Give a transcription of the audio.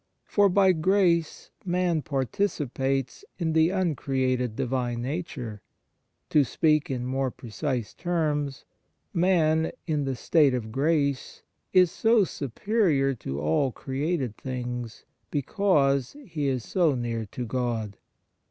For by grace man participates in the uncreated Divine Nature. To speak in more precise terms : man in the state of grace is so superior to all created things because he is so near to God.